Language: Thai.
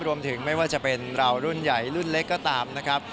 รวมถึงไม่ว่าจะเป็นเรารุ่นใหญ่รุ่นเล็กก็ตามนะครับ